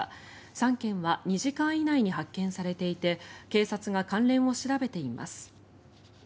３件は２時間以内に発見されていて警察が関連を調べています。